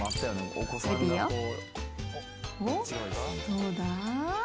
どうだ？